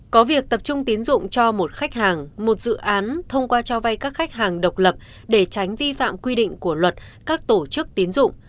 có việc tập trung tín dụng cho một khách hàng một dự án thông qua cho vay các khách hàng độc lập để tránh vi phạm quy định của luật các tổ chức tín dụng